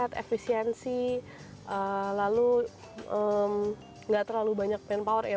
tingkat efisiensi lalu nggak terlalu banyak manpower ya